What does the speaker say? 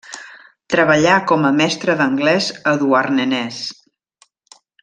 Treballà com a mestre d'anglès a Douarnenez.